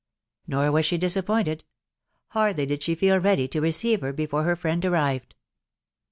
Nor was she disappointed .... hardly did she feel ready to receive her, before her friend arrived.